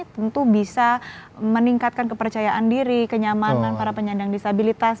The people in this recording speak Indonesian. tentu bisa meningkatkan kepercayaan diri kenyamanan para penyandang disabilitas